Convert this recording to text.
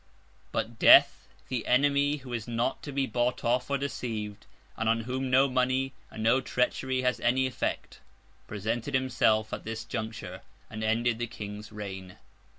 But Death—the enemy who is not to be bought off or deceived, and on whom no money, and no treachery has any effect—presented himself at this juncture, and ended the King's reign.